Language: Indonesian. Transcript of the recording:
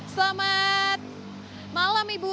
selamat malam ibu